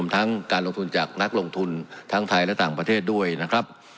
ทั้งการลงทุนจากนักลงทุนทั้งไทยและต่างประเทศด้วยนะครับ